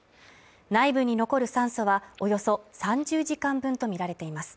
内部に残る酸素はおよそ３０時間分とみられています。